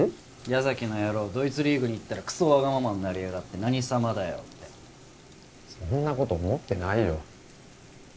矢崎の野郎ドイツリーグに行ったらクソわがままになりやがって何様だよってそんなこと思ってないよ